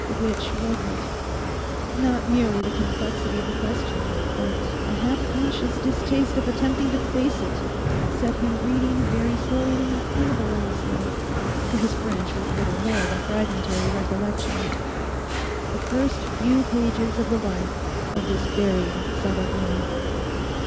Which was it? Not merely the complexity of the question, but a half conscious distaste of attempting to face it, set him reading very slowly and laboriously, for his French was little more than fragmentary recollection, the first few pages of the life of this buried Sabathier.